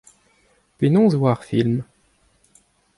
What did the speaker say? Penaos e oa ar film ?